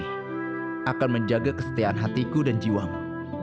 kita akan menjaga kesetiaan hatiku dan jiwamu